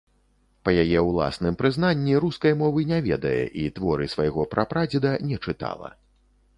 Па яе ўласным прызнанні, рускай мовы не ведае і творы свайго прапрадзеда не чытала.